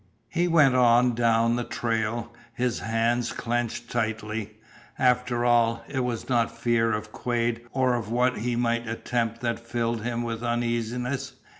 He went on down the trail, his hands clenched tightly. After all, it was not fear of Quade or of what he might attempt that filled him with uneasiness.